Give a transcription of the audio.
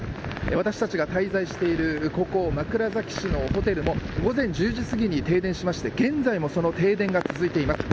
私たちが滞在しているここ枕崎市のホテルも午前１０時すぎに停電しまして現在も、その停電が続いています。